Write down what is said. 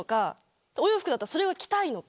お洋服だったらそれが着たいのか。